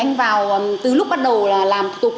anh vào từ lúc bắt đầu là làm thủ tục